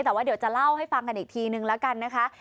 แต่ว่าเดี๋ยวจะเล่าให้ฟังกันอีกทีนึงแล้วกันนะคะ